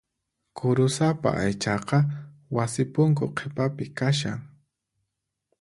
Kurusapa aychaqa wasi punku qhipapi kashan.